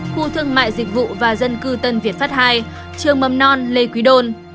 khu thương mại dịch vụ và dân cư tân việt pháp ii trường mầm non lê quý đôn